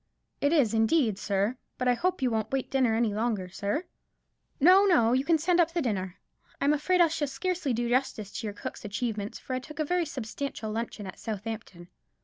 "It is, indeed, sir; but I hope you won't wait dinner any longer, sir?" "No, no; you can send up the dinner. I'm afraid I shall scarcely do justice to your cook's achievements, for I took a very substantial luncheon at Southampton."